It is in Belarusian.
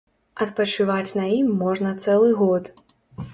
Адпачываць на ім можна цэлы год.